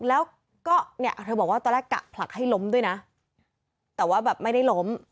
แล้วก็เนี่ยเธอบอกว่าตอนแรกกะผลักให้ล้มด้วยนะแต่ว่าแบบไม่ได้ล้ม